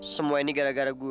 semua ini gara gara